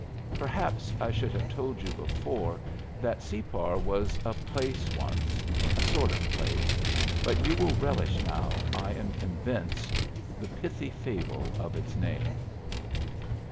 Perhaps I should have told you before that Separ was a place once a sort of place; but you will relish now, I am convinced, the pithy fable of its name.